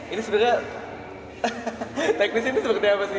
ini sebenarnya teknis ini seperti apa sih